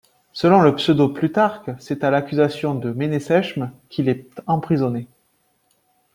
Selon le Pseudo-Plutarque, c'est à l'accusation de Ménésechme qu'il est emprisonné.